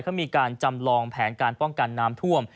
เขามีการจำลองแผนการป้องกันน้ำท่วม